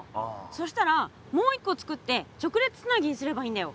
そしたらもう一個つくって直列つなぎにすればいいんだよ！